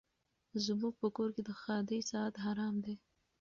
زموږ په کور کي د ښادۍ ساعت حرام دی